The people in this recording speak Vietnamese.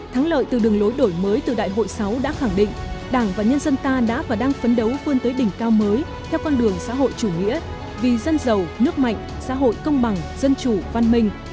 thắng lợi từ đường lối đổi mới từ đại hội sáu đã khẳng định đảng và nhân dân ta đã và đang phấn đấu vươn tới đỉnh cao mới theo con đường xã hội chủ nghĩa vì dân giàu nước mạnh xã hội công bằng dân chủ văn minh